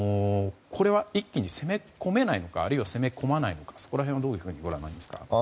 これは一気に攻め込めないのかあるいは、攻め込まないのかそこら辺はどういうふうにご覧になりますか。